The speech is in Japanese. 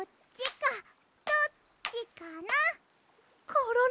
コロロ。